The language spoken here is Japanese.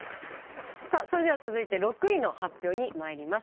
さあそれでは続いて６位の発表にまいります。